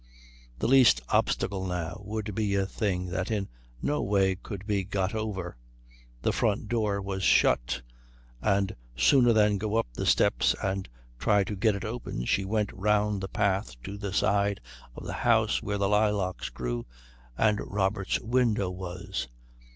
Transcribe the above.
The least obstacle now would be a thing that in no way could be got over. The front door was shut, and sooner than go up the steps and try to get it open, she went round the path to the side of the house where the lilacs grew and Robert's window was.